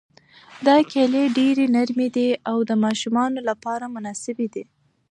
دا کیلې ډېرې نرمې دي او د ماشومانو لپاره مناسبې دي.